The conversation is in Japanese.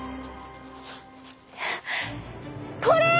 これ！